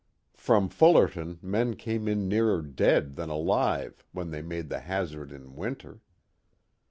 From Fullerton men came in nearer dead than alive when they made the hazard in winter.